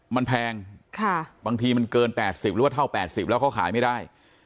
มันแพงบางทีมันเกิน๘๐หรือว่าเท่า๘๐แล้วเขาขายไม่ได้